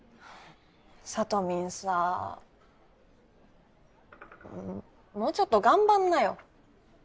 サトミンさもうちょっと頑張んなよ。